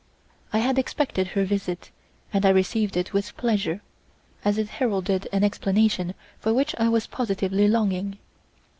I had expected her visit, and I received it with pleasure, as it heralded an explanation for which I was positively longing.